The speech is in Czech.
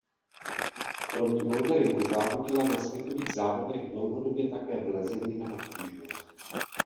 Kromě boulderingu závodila na světových závodech dlouhodobě také v lezení na obtížnost.